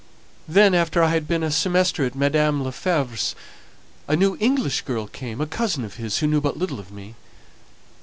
Then, after I had been a semestre at Mdme. Lefevre's, a new English girl came a cousin of his, who knew but little of me.